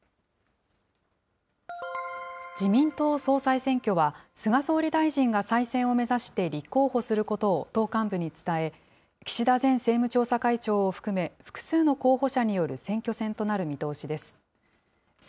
自民党総裁選挙は、菅総理大臣が再選を目指して立候補することを党幹部に伝え、岸田前政務調査会長を含め、複数の候補者による選挙戦となる見通しです。